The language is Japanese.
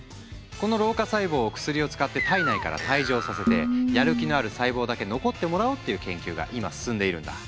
この老化細胞を薬を使って体内から退場させてやる気のある細胞だけ残ってもらおうっていう研究が今進んでいるんだ。